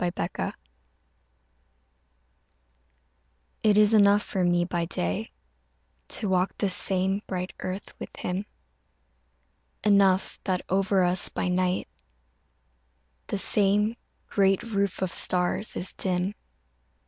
ENOUGH IT is enough for me by day To walk the same bright earth with him; Enough that over us by night The same great roof of stars is dim.